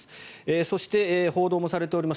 そして、報道もされております